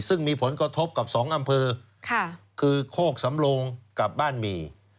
ซึ่งมีผลกระทบกับสองอำเภอคือโคกสำโลงกับบ้านหมี่